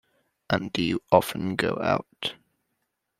And do you often go out?